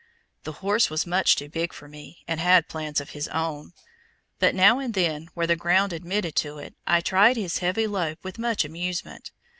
The horse was much too big for me, and had plans of his own; but now and then, where the ground admitted to it, I tried his heavy "lope" with much amusement.